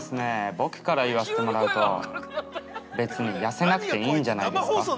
僕から言わせてもらうと別に痩せなくていいんじゃないですか。